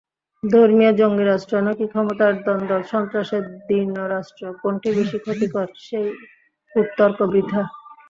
ধর্মীয় জঙ্গিরাষ্ট্র নাকি ক্ষমতার দ্বন্দ্ব–সন্ত্রাসে দীর্ণ রাষ্ট্র—কোনটি বেশি ক্ষতিকর, সেই কূটতর্ক বৃথা।